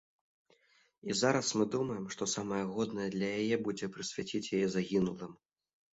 І зараз мы думаем, што самае годнае для яе будзе прысвяціць яе загінулым.